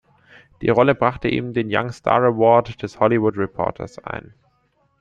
Die Rolle brachte ihm den "Young Star Award" des "Hollywood Reporters" ein.